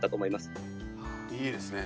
いいですね。